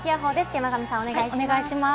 山神さん、お願いします。